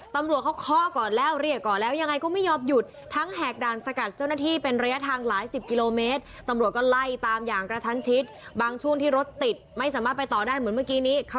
ตำรวจยิงยางรถยนต์แล้วก็ยังไปต่อคุณผู้ชมมีคลิปให้ดูกันด้วยค่ะ